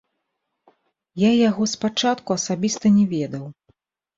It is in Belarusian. Я яго з пачатку асабіста не ведаў.